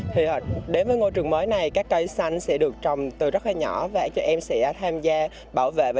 thì đến với ngôi trường mới này các cây xanh sẽ được trồng từ rất là nhỏ và em sẽ tham gia bảo vệ